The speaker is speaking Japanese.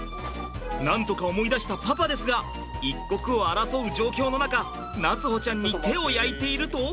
なんとか思い出したパパですが一刻を争う状況の中夏歩ちゃんに手を焼いていると。